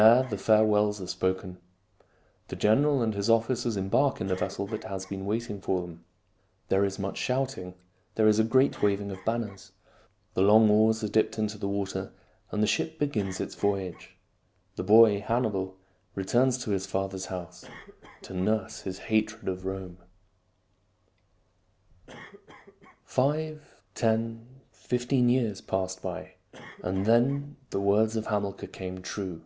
There the farewells are spoken. The gen eral and his officers embark in the vessel that has been waiting for them. There is much shouting; there is a great waving of banners. The long oars 208 THIRTY MORE FAMOUS STORIES are dipped into the water, and the ship begins its voyage. The boy Hannibal returns to his father's house to nurse his hatred of Rome. II. CROSSING THE ALPS Five, ten, fifteen years passed by, and then the words of Hamilcar came true.